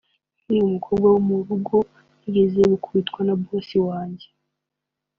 Nkiri umukozi wo mu rugo nigeze gukubitwa na boss wanyje